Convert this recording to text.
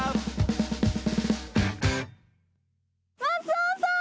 松尾さん！